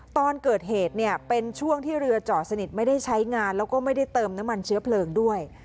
ตอนเกิดเหตุเนี่ยเป็นช่วงที่เรือจอดสนิทไม่ได้ใช้งานแล้วก็ไม่ได้เติมน้ำมันเชื้อเพลิงด้วย